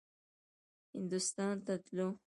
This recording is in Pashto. هندوستان ته تلو.